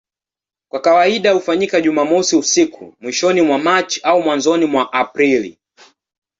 Kwa kawaida hufanyika Jumamosi usiku mwishoni mwa Machi au mwanzoni mwa Aprili.